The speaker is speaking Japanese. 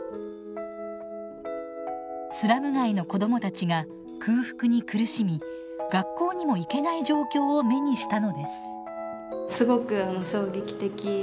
スラム街の子どもたちが空腹に苦しみ学校にも行けない状況を目にしたのです。